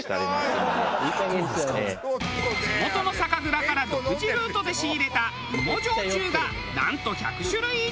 地元の酒蔵から独自ルートで仕入れた芋焼酎がなんと１００種類以上！